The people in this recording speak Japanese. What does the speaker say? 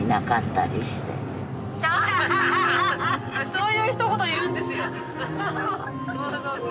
そういうひと言言うんですよ。